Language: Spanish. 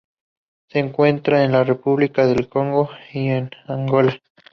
Se encuentra en la República del Congo y en Angola.